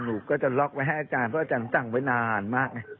ลูกก็จะล็อกไว้ให้อาจารย์เพราะอาจารย์สั่งไว้นานมาก